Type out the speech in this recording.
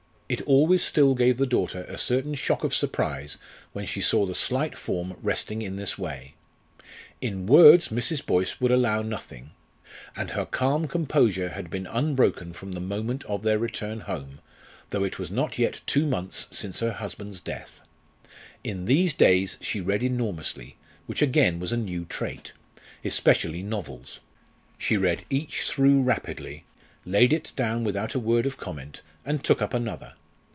It always still gave the daughter a certain shock of surprise when she saw the slight form resting in this way. In words Mrs. Boyce would allow nothing, and her calm composure had been unbroken from the moment of their return home, though it was not yet two months since her husband's death. In these days she read enormously, which again was a new trait especially novels. She read each through rapidly, laid it down without a word of comment, and took up another.